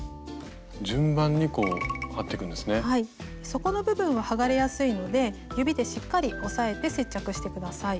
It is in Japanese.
底の部分は剥がれやすいので指でしっかり押さえて接着して下さい。